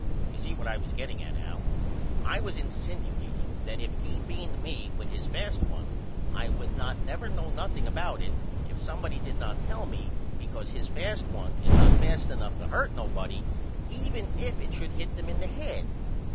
You see what I was getting at Al. I was insinuateing that if he beaned me with his fast one I would not never know nothing about it if somebody did not tell me because his fast one is not fast enough to hurt nobody even if it should hit them in the head.